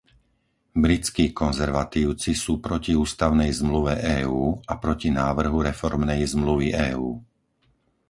Britskí konzervatívci sú proti Ústavnej zmluve EÚ a proti návrhu reformnej zmluvy EÚ.